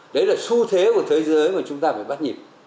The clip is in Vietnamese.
đấy là xu thế của thế giới mà chúng ta phải bắt nhịp